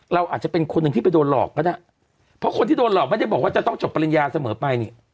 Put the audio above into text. เราอาจจะเป็นคนหนึ่งที่ไปโดนหลอกก็ได้เพราะคนที่โดนหลอกไม่ได้บอกว่าจะต้องจบปริญญาเสมอไปนี่